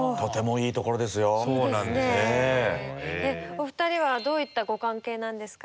お二人はどういったご関係なんですか？